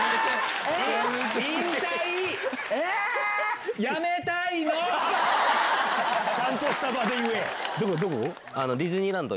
えっ⁉ちゃんとした場で言え！